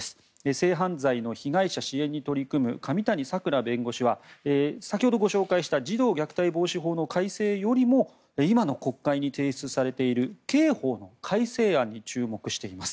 性犯罪の被害者支援に取り組む上谷さくら弁護士は先ほどご紹介した児童虐待防止法の改正よりも今の国会に提出されている刑法の改正案に注目しています。